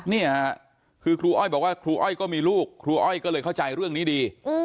นี่ค่ะคือครูอ้อยบอกว่าครูอ้อยก็มีลูกครูอ้อยก็เลยเข้าใจเรื่องนี้ดี